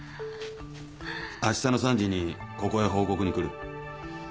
明日の３時にここへ報告に来る。